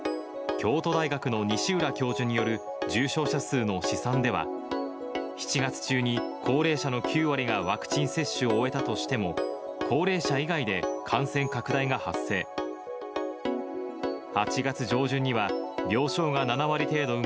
京都大学の西浦教授による重症者数の試算では、７月中に高齢者の９割がワクチン接種を終えたとしても、高齢者以外で感染拡大が発生。